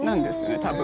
多分。